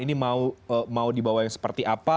ini mau di bawah yang seperti apa